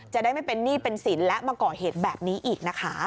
จะได้ไม่เป็นหนี้เป็นสินและมาก่อเหตุแบบนี้อีกนะคะ